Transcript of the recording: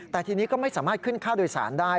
แต่ทีนี้ก็ไม่สามารถขึ้นค่าโดยสารได้